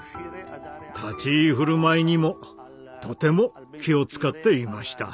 立ち居振る舞いにもとても気を遣っていました。